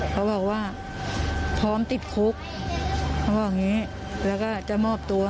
เขาบอกว่าพร้อมติดคุกแล้วก็จะมอบตัว